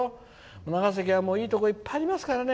長崎はいいところいっぱいありますからね。